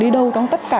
đi đầu trong tất cả